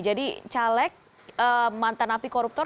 jadi caleg mantan api koruptor